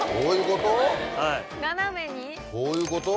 こういうこと？